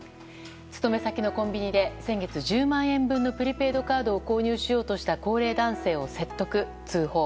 勤め先のコンビニで先月１０万円分のプリペイドカードを購入しようとした高齢男性を説得、通報。